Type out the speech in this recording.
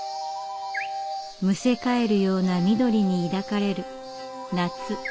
むせ返るような緑に抱かれる夏。